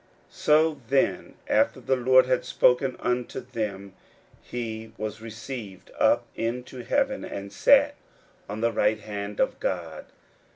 41:016:019 So then after the Lord had spoken unto them, he was received up into heaven, and sat on the right hand of God.